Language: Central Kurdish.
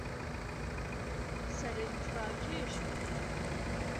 سەرنج ڕاکێش بوو